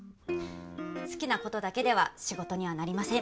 好きなことだけでは仕事にはなりません。